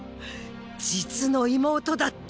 実の妹だった！